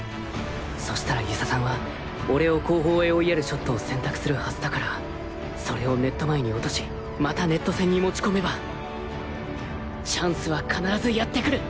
そしたら遊佐さんは俺を後方へ追いやるショットを選択するはずだからそれをネット前に落としまたネット戦に持ち込めばチャンスは必ずやってくる！